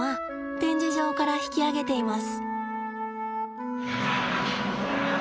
展示場から引き揚げています。